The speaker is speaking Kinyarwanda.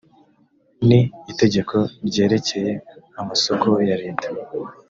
ni itegeko ryerekeye amasoko ya leta